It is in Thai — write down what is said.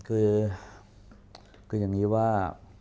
อเรนนี่แหละอเรนนี่แหละ